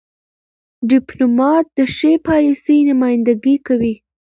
. ډيپلومات د ښې پالیسۍ نمایندګي کوي.